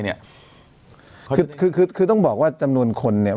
เนี้ยคือคือคือคือคือต้องบอกว่าจำนวนคนเนี้ย